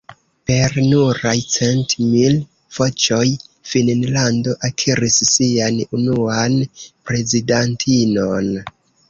Per nuraj cent mil voĉoj Finnlando akiris sian unuan prezidantinon.